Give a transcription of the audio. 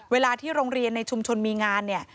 เวลาที่โรงเรียนในชุมชนมีงานเนี่ย